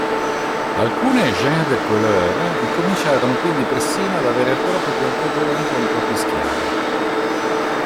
Alcune "gens de couleur" incominciarono quindi persino ad avere proprie piantagioni con propri schiavi.